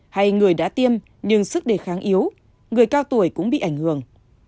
hay người đã tiêm nhưng sức đề kháng yếu người cao tuổi cũng bị ảnh hưởng